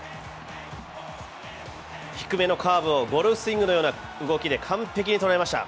低めのカーブをゴルフスイングのような動きで完璧に捉えました。